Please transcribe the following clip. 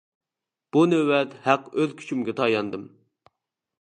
بۇ نۆۋەت ھەق ئۆز كۈچۈمگە تاياندىم.